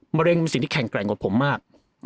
มะเร็งเป็นสิ่งที่แข็งแกร่งกว่าผมมาก